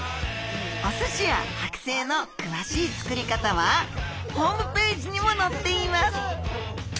お寿司やはく製の詳しい作り方はホームページにものっています。